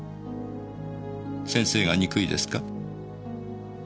先生が憎いですか？